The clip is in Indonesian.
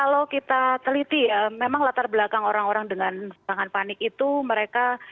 kalau kita teliti ya memang latar belakang orang orang dengan tangan panik itu mereka